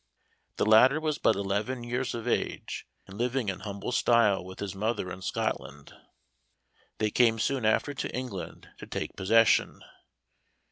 The latter was but eleven years of age, and living in humble style with his mother in Scotland. They came soon after to England, to take possession.